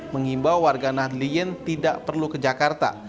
mengimbau warga nahdliyin tidak perlu ke jakarta